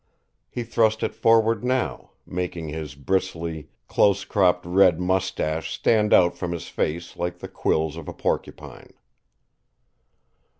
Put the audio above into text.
He thrust it forward now, making his bristly, close cropped red moustache stand out from his face like the quills of a porcupine.